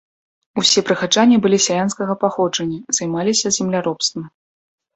Усе прыхаджане былі сялянскага паходжання, займаліся земляробствам.